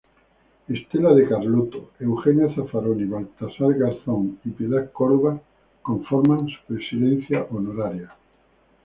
Estela de Carlotto, Eugenio Zaffaroni, Baltazar Garzón y Piedad Córdoba conforman su Presidencia Honoraria.